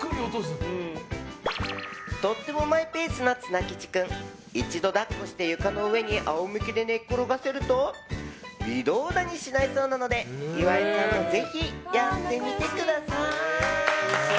とってもマイペースなツナきち君一度抱っこして床の上に仰向けで寝っころがせると微動だにしないそうなので岩井さんもぜひやってみてください！